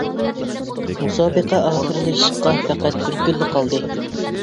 مۇسابىقە ئاخىرلىشىشقا پەقەت بىر كۈنلا قالدى.